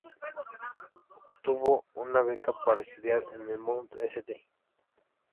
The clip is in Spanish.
Obtuvo una beca para estudiar en el Mount St.